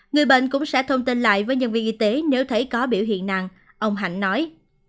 người bệnh cũng sẽ thông tin lại với nhân viên y tế nếu thấy có biểu hiện nặng ông hạnh nói